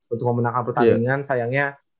untuk memenangkan pertandingan sayangnya